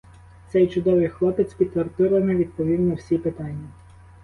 Цей чудовий хлопець під тортурами відповів на всі питання.